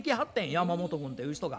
山本君という人が。